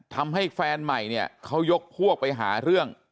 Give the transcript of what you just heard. ทำให้แฟนใหม่เนี่ยเขายกพวกไปหาเรื่อง